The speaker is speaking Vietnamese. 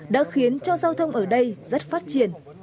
đã khiến cho giao thông ở đây rất phát triển